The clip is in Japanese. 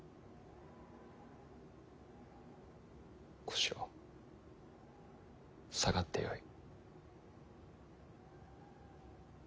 小四郎下がってよい。